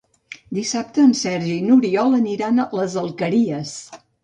Dissabte en Sergi i n'Oriol aniran a les Alqueries.